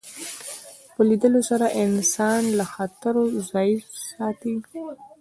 په لیدلو سره انسان له خطرو ځان ساتي